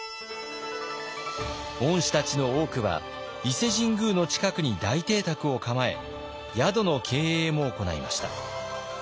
御師たちの多くは伊勢神宮の近くに大邸宅を構え宿の経営も行いました。